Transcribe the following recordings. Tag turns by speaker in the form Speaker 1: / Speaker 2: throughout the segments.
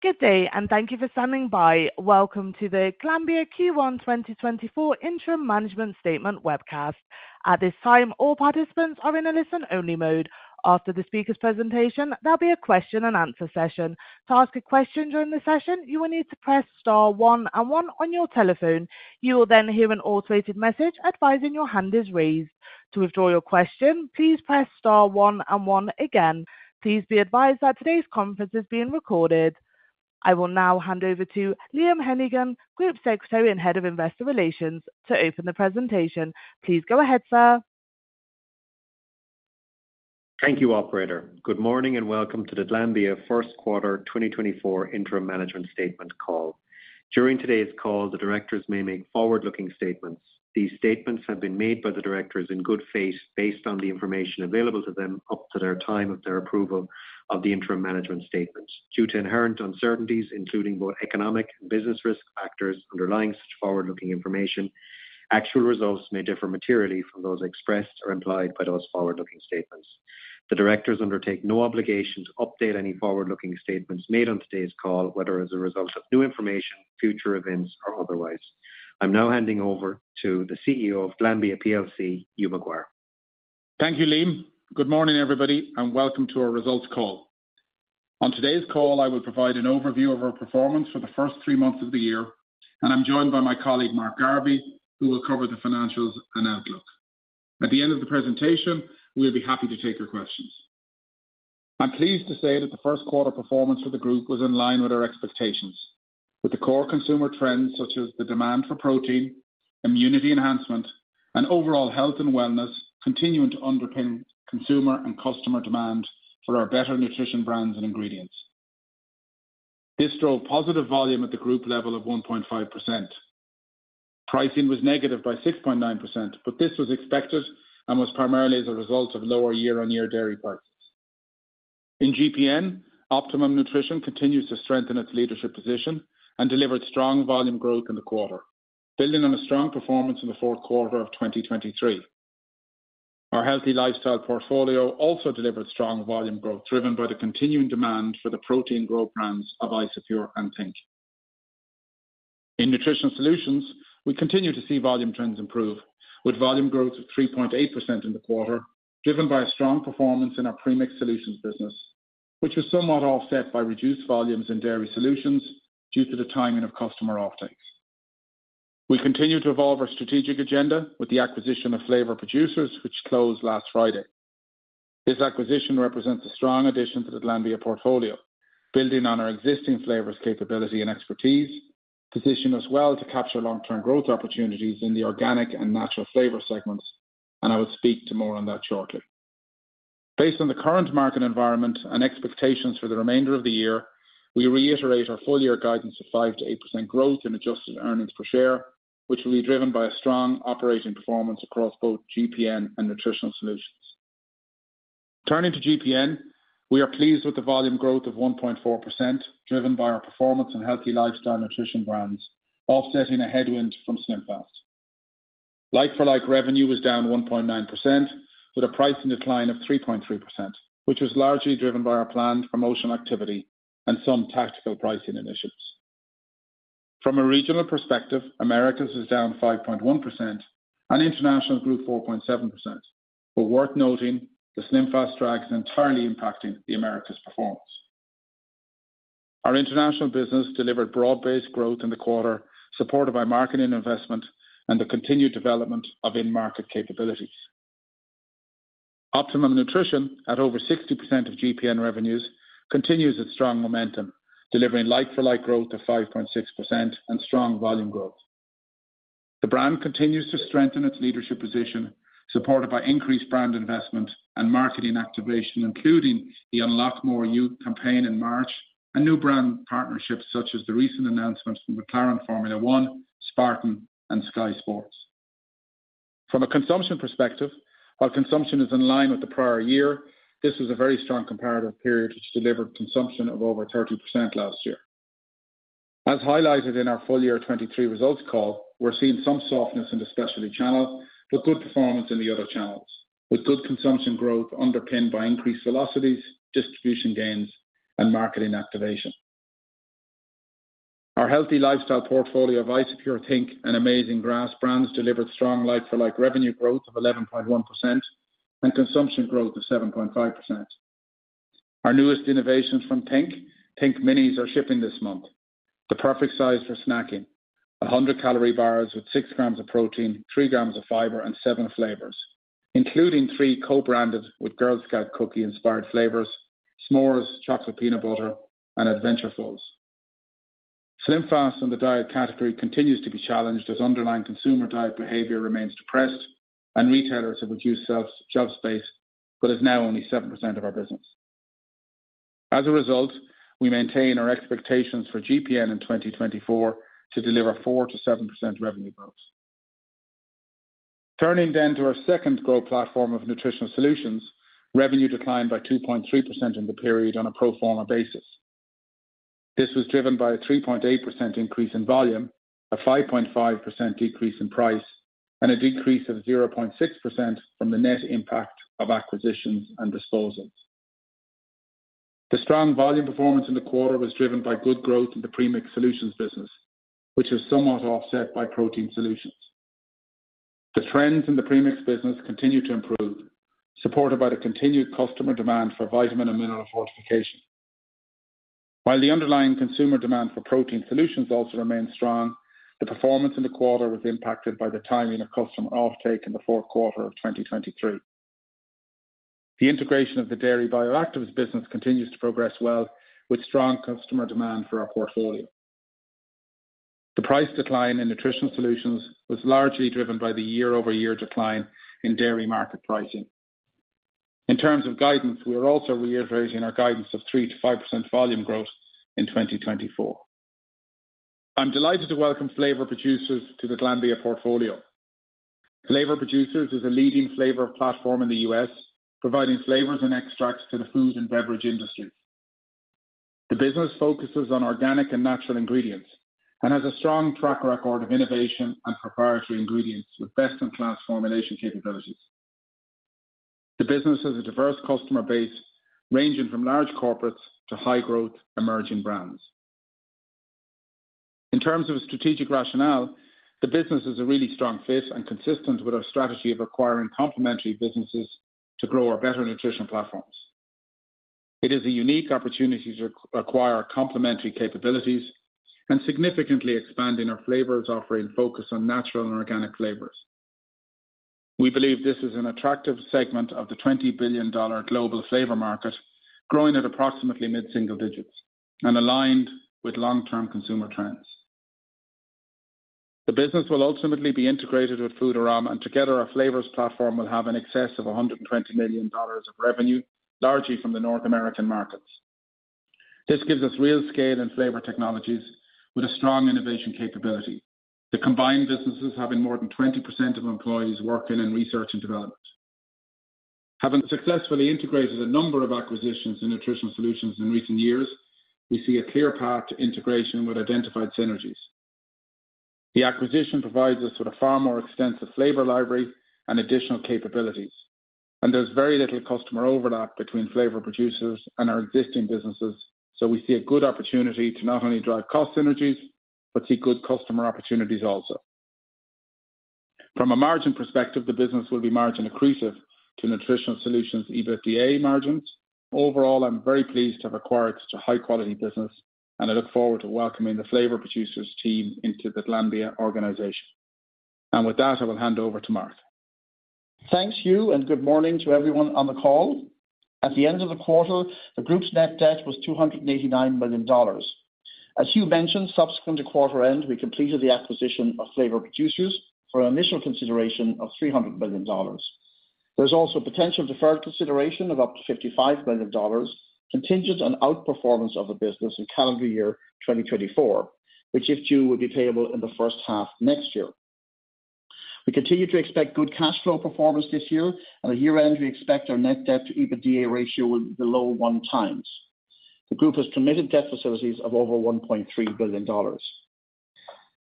Speaker 1: Good day, and thank you for standing by. Welcome to the Glanbia Q1 2024 Interim Management Statement webcast. At this time, all participants are in a listen-only mode. After the speaker's presentation, there'll be a question-and-answer session. To ask a question during the session, you will need to press star one and one on your telephone. You will then hear an automated message advising your hand is raised. To withdraw your question, please press star one and one again. Please be advised that today's conference is being recorded. I will now hand over to Liam Hennigan, Group Secretary and Head of Investor Relations, to open the presentation. Please go ahead, sir.
Speaker 2: Thank you, Operator. Good morning and welcome to the Glanbia Q1 2024 Interim Management Statement call. During today's call, the directors may make forward-looking statements. These statements have been made by the directors in good faith based on the information available to them up to their time of their approval of the interim management statement. Due to inherent uncertainties, including both economic and business risk factors underlying such forward-looking information, actual results may differ materially from those expressed or implied by those forward-looking statements. The directors undertake no obligation to update any forward-looking statements made on today's call, whether as a result of new information, future events, or otherwise. I'm now handing over to the CEO of Glanbia plc, Hugh McGuire.
Speaker 3: Thank you, Liam. Good morning, everybody, and welcome to our results call. On today's call, I will provide an overview of our performance for the first three months of the year, and I'm joined by my colleague, Mark Garvey, who will cover the financials and outlook. At the end of the presentation, we'll be happy to take your questions. I'm pleased to say that the Q1 performance for the group was in line with our expectations, with the core consumer trends such as the demand for protein, immunity enhancement, and overall health and wellness continuing to underpin consumer and customer demand for our better nutrition brands and ingredients. This drove positive volume at the group level of 1.5%. Pricing was negative by 6.9%, but this was expected and was primarily as a result of lower year-on-year dairy prices. In GPN, Optimum Nutrition continues to strengthen its leadership position and delivered strong volume growth in the quarter, building on a strong performance in the Q4 of 2023. Our healthy lifestyle portfolio also delivered strong volume growth driven by the continuing demand for the protein growth brands of Isopure and Pink. In Nutrition Solutions, we continue to see volume trends improve, with volume growth of 3.8% in the quarter driven by a strong performance in our premix solutions business, which was somewhat offset by reduced volumes in dairy solutions due to the timing of customer offtakes. We continue to evolve our strategic agenda with the acquisition of Flavor Producers, which closed last Friday. This acquisition represents a strong addition to the Glanbia portfolio, building on our existing flavors' capability and expertise, positioned as well to capture long-term growth opportunities in the organic and natural flavor segments, and I will speak more on that shortly. Based on the current market environment and expectations for the remainder of the year, we reiterate our full-year guidance of 5% to 8% growth in adjusted earnings per share, which will be driven by a strong operating performance across both GPN and Nutrition Solutions. Turning to GPN, we are pleased with the volume growth of 1.4% driven by our performance in healthy lifestyle nutrition brands, offsetting a headwind from SlimFast. Like-for-like revenue was down 1.9% with a pricing decline of 3.3%, which was largely driven by our planned promotional activity and some tactical pricing initiatives. From a regional perspective, Americas is down 5.1% and International grew 4.7%, but worth noting, the SlimFast drag is entirely impacting the Americas' performance. Our international business delivered broad-based growth in the quarter, supported by marketing investment and the continued development of in-market capabilities. Optimum Nutrition, at over 60% of GPN revenues, continues its strong momentum, delivering like-for-like growth of 5.6% and strong volume growth. The brand continues to strengthen its leadership position, supported by increased brand investment and marketing activation, including the Unlock More Youth campaign in March and new brand partnerships such as the recent announcements from McLaren Formula One, Spartan, and Sky Sports. From a consumption perspective, while consumption is in line with the prior year, this was a very strong comparative period, which delivered consumption of over 30% last year. As highlighted in our full-year 2023 results call, we're seeing some softness in the specialty channel but good performance in the other channels, with good consumption growth underpinned by increased velocities, distribution gains, and marketing activation. Our healthy lifestyle portfolio of Isopure, Pink, and Amazing Grass brands delivered strong like-for-like revenue growth of 11.1% and consumption growth of 7.5%. Our newest innovations from Pink, Pink Minis, are shipping this month, the perfect size for snacking: 100 calorie bars with 6g of protein, 3g of fiber, and 7 flavors, including three co-branded with Girl Scout cookie-inspired flavors, s'mores, chocolate peanut butter, and Adventurefuls. SlimFast in the diet category continues to be challenged as underlying consumer diet behavior remains depressed, and retailers have reduced shelf space, but it's now only 7% of our business. As a result, we maintain our expectations for GPN in 2024 to deliver 4% to 7% revenue growth. Turning then to our second growth platform of Nutritional Solutions, revenue declined by 2.3% in the period on a pro forma basis. This was driven by a 3.8% increase in volume, a 5.5% decrease in price, and a decrease of 0.6% from the net impact of acquisitions and disposals. The strong volume performance in the quarter was driven by good growth in the premix solutions business, which was somewhat offset by Protein Solutions. The trends in the premix business continue to improve, supported by the continued customer demand for vitamin and mineral fortification. While the underlying consumer demand for Protein Solutions also remains strong, the performance in the quarter was impacted by the timing of customer offtake in the Q4 of 2023. The integration of the dairy bioactives business continues to progress well, with strong customer demand for our portfolio. The price decline in Nutrition Solutions was largely driven by the year-over-year decline in dairy market pricing. In terms of guidance, we are also reiterating our guidance of 3% to 5% volume growth in 2024. I'm delighted to welcome Flavor Producers to the Glanbia portfolio. Flavor producers is a leading flavor platform in the US, providing flavors and extracts to the food and beverage industries. The business focuses on organic and natural ingredients and has a strong track record of innovation and proprietary ingredients with best-in-class formulation capabilities. The business has a diverse customer base, ranging from large corporates to high-growth emerging brands. In terms of strategic rationale, the business is a really strong fit and consistent with our strategy of acquiring complementary businesses to grow our better nutrition platforms. It is a unique opportunity to acquire complementary capabilities and significantly expand in our flavors, offering focus on natural and organic flavors. We believe this is an attractive segment of the $20 billion global flavor market, growing at approximately mid-single digits and aligned with long-term consumer trends. The business will ultimately be integrated with Foodarom, and together, our flavors platform will have an excess of $120 million of revenue, largely from the North American markets. This gives us real scale in flavor technologies with a strong innovation capability. The combined businesses have more than 20% of employees working in research and development. Having successfully integrated a number of acquisitions in Nutritional Solutions in recent years, we see a clear path to integration with identified synergies. The acquisition provides us with a far more extensive flavor library and additional capabilities, and there's very little customer overlap between Flavor Producers and our existing businesses, so we see a good opportunity to not only drive cost synergies but see good customer opportunities also. From a margin perspective, the business will be margin accretive to Nutrition Solutions EBITDA margins. Overall, I'm very pleased to have acquired such a high-quality business, and I look forward to welcoming the Flavor Producers' team into the Glanbia organization. With that, I will hand over to Mark.
Speaker 4: Thanks, Hugh, and good morning to everyone on the call. At the end of the quarter, the group's net debt was $289 million. As Hugh mentioned, subsequent to quarter end, we completed the acquisition of Flavor Producers for an initial consideration of $300 million. There's also potential deferred consideration of up to $55 million, contingent on outperformance of the business in calendar year 2024, which if due would be payable in the first half next year. We continue to expect good cash flow performance this year, and at year end, we expect our net debt to EBITDA ratio be below 1x. The group has committed debt facilities of over $1.3 billion.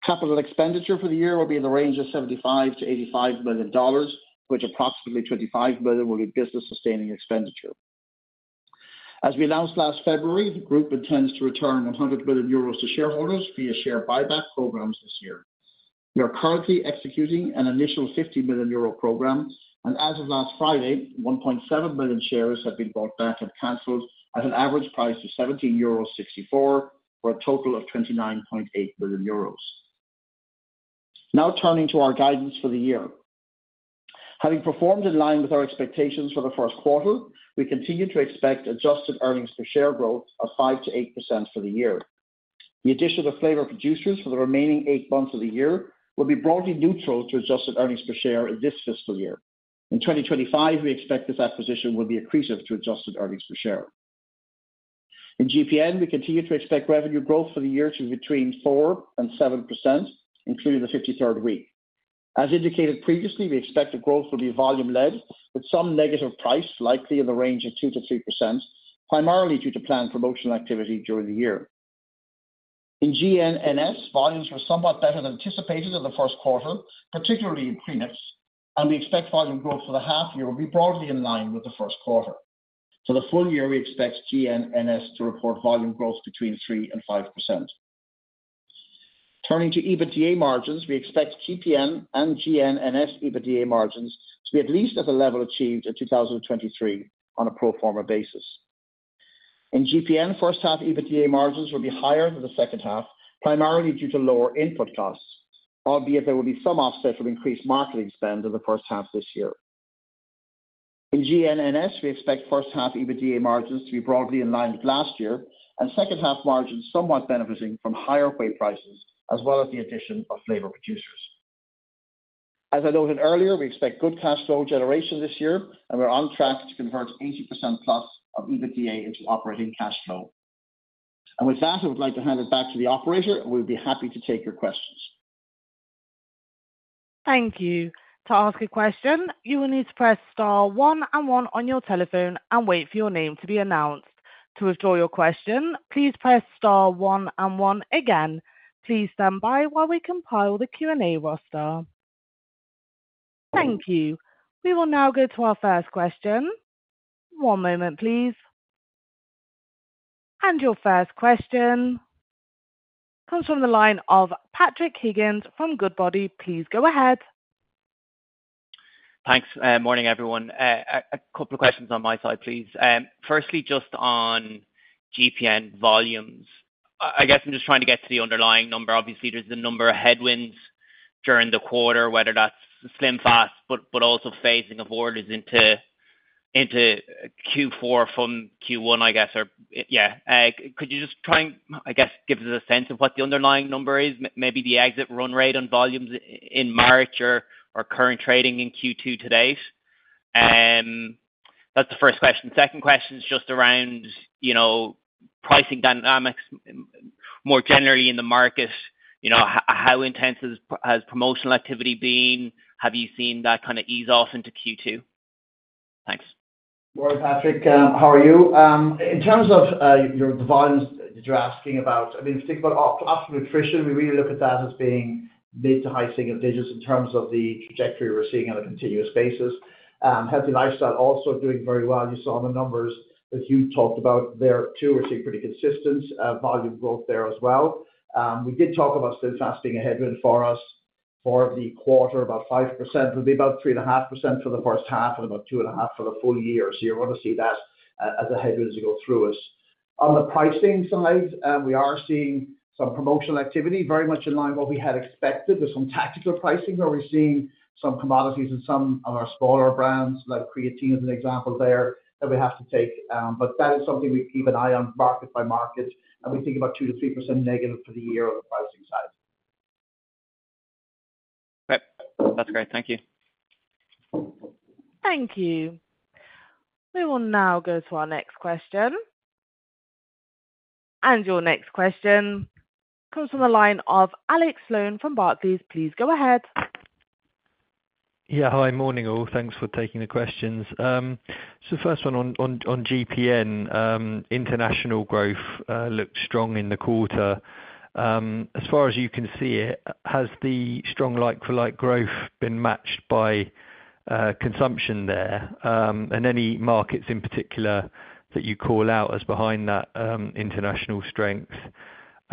Speaker 4: Capital expenditure for the year will be in the range of $75 to 85 million, of which approximately $25 million will be business-sustaining expenditure. As we announced last February, the group intends to return 100 million euros to shareholders via share buyback programs this year. We are currently executing an initial 50 million euro program, and as of last Friday, 1.7 million shares have been bought back and cancelled at an average price of 17.64 euros for a total of 29.8 million euros. Now turning to our guidance for the year. Having performed in line with our expectations for the Q1, we continue to expect adjusted earnings per share growth of 5% to 8% for the year. The addition of Flavor Producers for the remaining eight months of the year will be broadly neutral to adjusted earnings per share in this fiscal year. In 2025, we expect this acquisition will be accretive to adjusted earnings per share. In GPN, we continue to expect revenue growth for the year to be between 4% and 7%, including the 53rd week. As indicated previously, we expect the growth will be volume-led with some negative price, likely in the range of 2% to 3%, primarily due to planned promotional activity during the year. In GNNS, volumes were somewhat better than anticipated in the Q1, particularly in premix, and we expect volume growth for the half-year will be broadly in line with the Q1. For the full year, we expect GNNS to report volume growth between 3% and 5%. Turning to EBITDA margins, we expect GPN and GNNS EBITDA margins to be at least at the level achieved in 2023 on a pro forma basis. In GPN, first-half EBITDA margins will be higher than the second-half, primarily due to lower input costs, albeit there will be some offset from increased marketing spend in the first half this year. In GNNS, we expect first-half EBITDA margins to be broadly in line with last year and second-half margins somewhat benefiting from higher whey prices as well as the addition of Flavor Producers. As I noted earlier, we expect good cash flow generation this year, and we're on track to convert 80%+ of EBITDA into operating cash flow. With that, I would like to hand it back to the operator, and we'll be happy to take your questions.
Speaker 1: Thank you. To ask a question, you will need to press star one and one on your telephone and wait for your name to be announced. To withdraw your question, please press star one and one again. Please stand by while we compile the Q&A roster. Thank you. We will now go to our first question. One moment, please. Your first question comes from the line of Patrick Higgins from Goodbody. Please go ahead.
Speaker 5: Thanks. Morning, everyone. A couple of questions on my side, please. Firstly, just on GPN volumes, I guess I'm just trying to get to the underlying number. Obviously, there's the number of headwinds during the quarter, whether that's SlimFast but also phasing of orders into Q4 from Q1, I guess, or yeah. Could you just try and, I guess, give us a sense of what the underlying number is, maybe the exit run rate on volumes in March or current trading in Q2 to date? That's the first question. Second question's just around pricing dynamics more generally in the market. How intense has promotional activity been? Have you seen that kind of ease off into Q2? Thanks.
Speaker 4: Morning, Patrick. How are you? In terms of the volumes that you're asking about, I mean, if you think about after nutrition, we really look at that as being mid to high single digits in terms of the trajectory we're seeing on a continuous basis. Healthy lifestyle also doing very well. You saw in the numbers that Hugh talked about there too were seeing pretty consistent volume growth there as well. We did talk about SlimFast being a headwind for us for the quarter, about 5%. It'll be about 3.5% for the first half and about 2.5% for the full year. So you're going to see that as a headwind as you go through it. On the pricing side, we are seeing some promotional activity very much in line with what we had expected with some tactical pricing where we're seeing some commodities and some of our smaller brands, like Creatine as an example there, that we have to take. But that is something we keep an eye on market by market, and we think about 2% to 3% negative for the year on the pricing side.
Speaker 5: Great. That's great. Thank you.
Speaker 1: Thank you. We will now go to our next question. Your next question comes from the line of Alex Sloane from Barclays. Please go ahead.
Speaker 6: Yeah. Hi. Morning, all. Thanks for taking the questions. So first one on GPN, international growth looks strong in the quarter. As far as you can see it, has the strong like-for-like growth been matched by consumption there and any markets in particular that you call out as behind that international strength?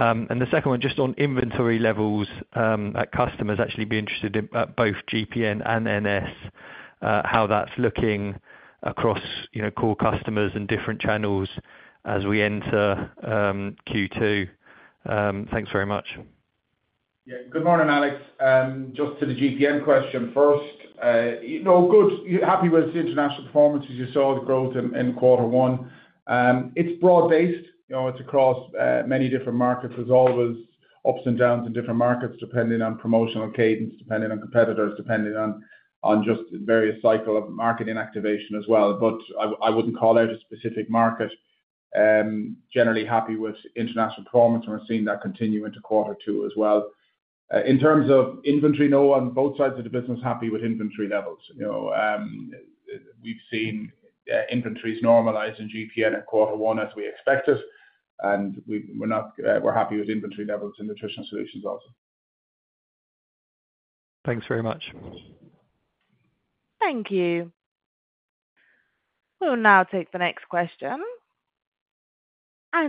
Speaker 6: And the second one, just on inventory levels, customers actually be interested at both GPN and NS, how that's looking across core customers and different channels as we enter Q2. Thanks very much.
Speaker 3: Yeah. Good morning, Alex. Just to the GPN question first. Good. Happy with the international performance as you saw the growth in quarter one. It's broad-based. It's across many different markets. There's always ups and downs in different markets depending on promotional cadence, depending on competitors, depending on just various cycle of marketing activation as well. But I wouldn't call out a specific market. Generally happy with international performance and we're seeing that continue into quarter two as well. In terms of inventory, no. On both sides of the business, happy with inventory levels. We've seen inventories normalize in GPN in quarter one as we expected, and we're happy with inventory levels in Nutritional Solutions also.
Speaker 6: Thanks very much.
Speaker 1: Thank you. We will now take the next question.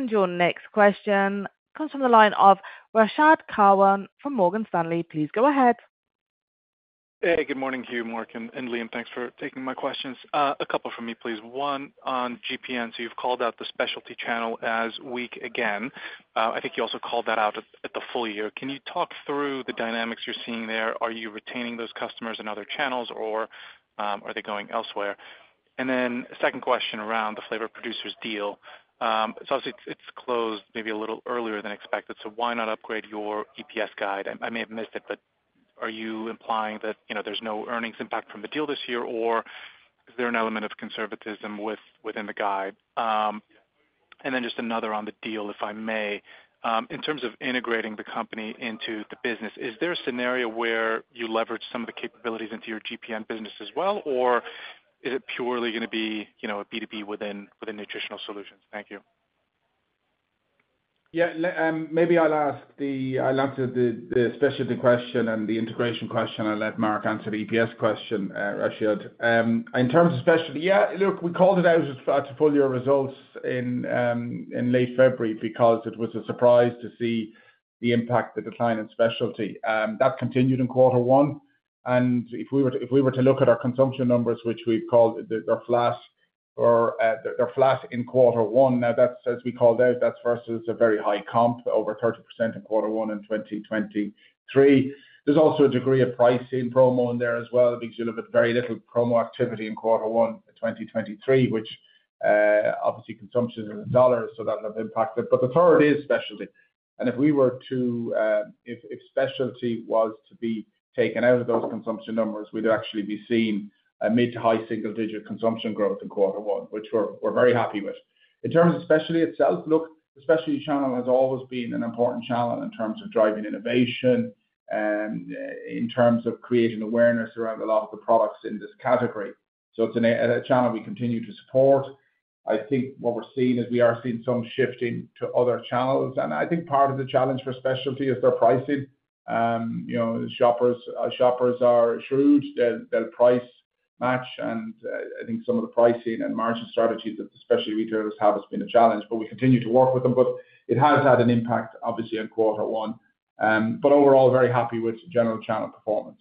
Speaker 1: Your next question comes from the line of Rashad Kawan from Morgan Stanley. Please go ahead.
Speaker 7: Hey. Good morning, Hugh, Mark, and Liam. Thanks for taking my questions. A couple from me, please. One on GPN. So you've called out the specialty channel as weak again. I think you also called that out at the full year. Can you talk through the dynamics you're seeing there? Are you retaining those customers in other channels, or are they going elsewhere? And then second question around the Flavor Producers' deal. So obviously, it's closed maybe a little earlier than expected. So why not upgrade your EPS guide? I may have missed it, but are you implying that there's no earnings impact from the deal this year, or is there an element of conservatism within the guide? And then just another on the deal, if I may. In terms of integrating the company into the business, is there a scenario where you leverage some of the capabilities into your GPN business as well, or is it purely going to be a B2B within Nutritional Solutions? Thank you.
Speaker 4: Yeah. Maybe I'll answer the specialty question and the integration question. I'll let Mark answer the EPS question, Rashad. In terms of specialty, yeah. Look, we called it out at full year results in late February because it was a surprise to see the impact that declined in specialty. That continued in quarter one. And if we were to look at our consumption numbers, which we've called they're flat in quarter one. Now, as we called out, that's versus a very high comp, over 30% in quarter one in 2023. There's also a degree of pricing promo in there as well because you look at very little promo activity in quarter one of 2023, which obviously, consumption is in dollars, so that'll have impacted. But the third is specialty. And if specialty was to be taken out of those consumption numbers, we'd actually be seeing a mid- to high-single-digit consumption growth in quarter one, which we're very happy with. In terms of specialty itself, look, the specialty channel has always been an important channel in terms of driving innovation, in terms of creating awareness around a lot of the products in this category. So it's a channel we continue to support. I think what we're seeing is we are seeing some shifting to other channels. And I think part of the challenge for specialty is their pricing. Shoppers are shrewd. They'll price match. And I think some of the pricing and margin strategies that the specialty retailers have has been a challenge, but we continue to work with them. But it has had an impact, obviously, in quarter one. But overall, very happy with general channel performance.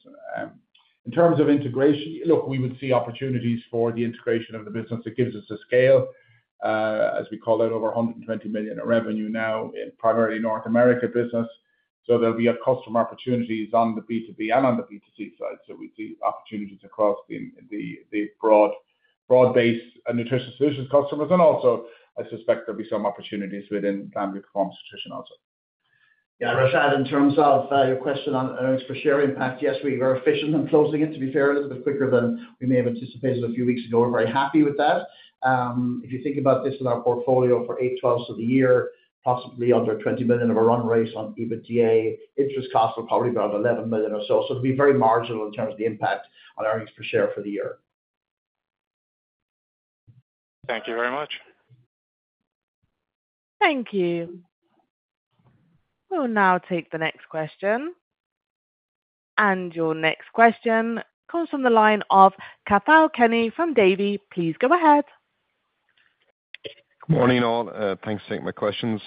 Speaker 4: In terms of integration, look, we would see opportunities for the integration of the business. It gives us a scale, as we call out, over 120 million in revenue now in primarily North America business. So there'll be customer opportunities on the B2B and on the B2C side. So we'd see opportunities across the broad-based Nutrition Solutions customers. And also, I suspect there'll be some opportunities within Glanbia Performance Nutrition also.
Speaker 8: Yeah. Rashad, in terms of your question on earnings per share impact, yes, we were efficient in closing it, to be fair, a little bit quicker than we may have anticipated a few weeks ago. We're very happy with that. If you think about this in our portfolio for 8/12 of the year, possibly under $20 million of a run rate on EBITDA, interest costs will probably be around $11 million or so. So it'll be very marginal in terms of the impact on earnings per share for the year.
Speaker 7: Thank you very much.
Speaker 1: Thank you. We will now take the next question. Your next question comes from the line of Cathal Kenny from Davy. Please go ahead.
Speaker 9: Good morning, all. Thanks for taking my questions.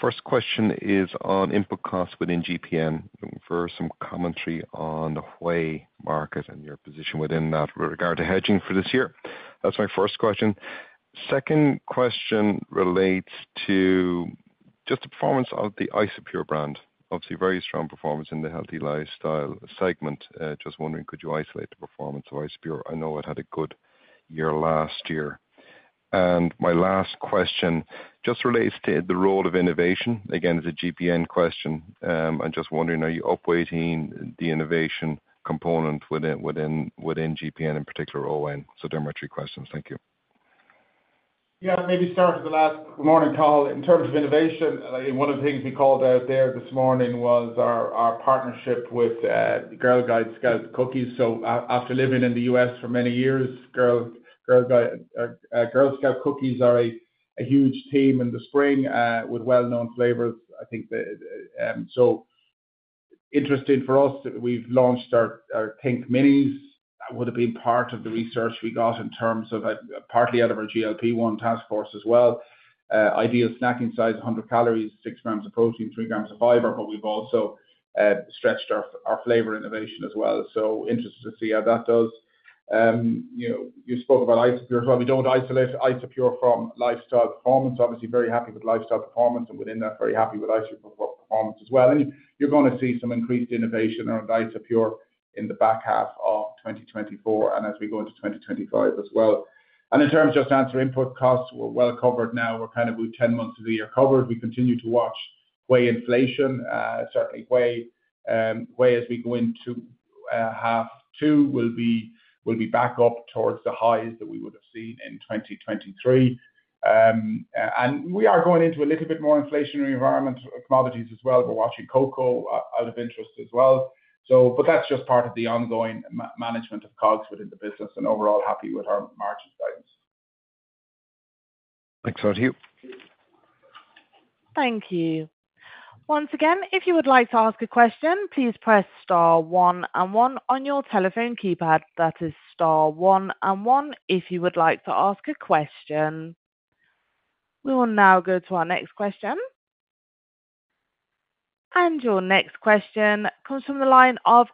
Speaker 9: First question is on input costs within GPN, looking for some commentary on the whey market and your position within that with regard to hedging for this year. That's my first question. Second question relates to just the performance of the Isopure brand. Obviously, very strong performance in the healthy lifestyle segment. Just wondering, could you isolate the performance of Isopure? I know it had a good year last year. My last question just relates to the role of innovation. Again, it's a GPN question. I'm just wondering, are you upgrading the innovation component within GPN in particular, ON? So they're my three questions. Thank you.
Speaker 3: Yeah. Maybe start with the last morning call. In terms of innovation, one of the things we called out there this morning was our partnership with Girl Scout Cookies. So after living in the US for many years, Girl Scout Cookies are a huge thing in the spring with well-known flavors, I think. So interesting for us, we've launched our pink minis. That would have been part of the research we got in terms of partly out of our GLP-1 task force as well. Ideal snacking size, 100 calories, 6g of protein, 3g of fiber. But we've also stretched our flavor innovation as well. So interested to see how that does. You spoke about Isopure as well. We don't isolate Isopure from Performance Nutrition. Obviously, very happy with Performance Nutrition. And within that, very happy with Isopure performance as well. And you're going to see some increased innovation around Isopure in the back half of 2024 and as we go into 2025 as well. And in terms of just to answer input costs, we're well covered now. We're kind of 10 months of the year covered. We continue to watch whey inflation. Certainly, whey as we go into half two will be back up towards the highs that we would have seen in 2023. And we are going into a little bit more inflationary environment commodities as well. We're watching cocoa out of interest as well. But that's just part of the ongoing management of COGS within the business. And overall, happy with our margin guidance.
Speaker 9: Thanks for that, Hugh.
Speaker 1: Thank you. Once again, if you would like to ask a question, please press star one and one on your telephone keypad. That is star one and one if you would like to ask a question. We will now go to our next question. Your next question comes from the line of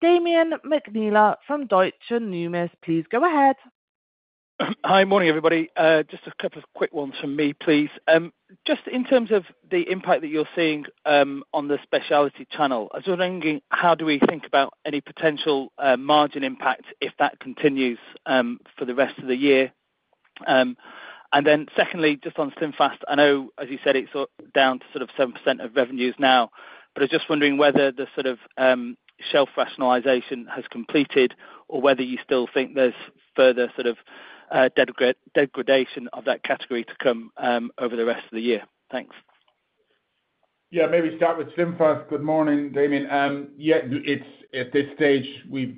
Speaker 1: Damian McNeela from Deutsche Numis. Please go ahead.
Speaker 10: Hi. Morning, everybody. Just a couple of quick ones from me, please. Just in terms of the impact that you're seeing on the specialty channel, I was wondering, how do we think about any potential margin impact if that continues for the rest of the year? And then secondly, just on SlimFast, I know, as you said, it's down to sort of 7% of revenues now. But I was just wondering whether the sort of shelf rationalization has completed or whether you still think there's further sort of degradation of that category to come over the rest of the year. Thanks.
Speaker 3: Yeah. Maybe start with SlimFast. Good morning, Damien. Yeah. At this stage, we'll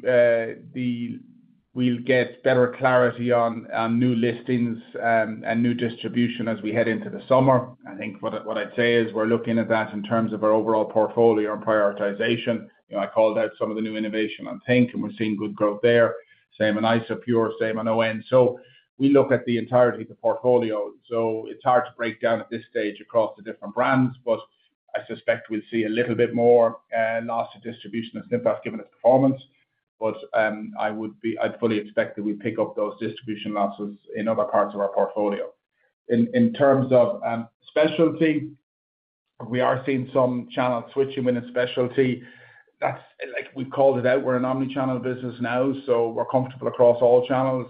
Speaker 3: get better clarity on new listings and new distribution as we head into the summer. I think what I'd say is we're looking at that in terms of our overall portfolio and prioritization. I called out some of the new innovation on pink, and we're seeing good growth there. Same on Isopure, same on ON. So we look at the entirety of the portfolio. So it's hard to break down at this stage across the different brands, but I suspect we'll see a little bit more loss of distribution of SlimFast given its performance. But I'd fully expect that we'd pick up those distribution losses in other parts of our portfolio. In terms of specialty, we are seeing some channel switching within specialty. We've called it out. We're an omnichannel business now, so we're comfortable across all channels.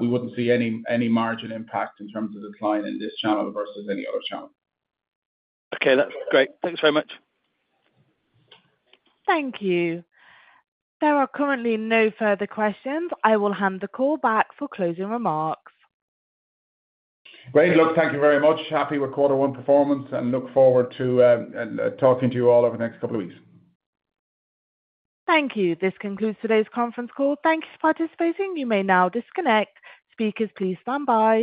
Speaker 3: We wouldn't see any margin impact in terms of decline in this channel versus any other channel.
Speaker 7: Okay. That's great. Thanks very much.
Speaker 1: Thank you. There are currently no further questions. I will hand the call back for closing remarks.
Speaker 4: Great. Look, thank you very much. Happy with quarter one performance, and look forward to talking to you all over the next couple of weeks.
Speaker 1: Thank you. This concludes today's conference call. Thank you for participating. You may now disconnect. Speakers, please stand by.